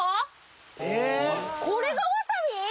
これがわさび？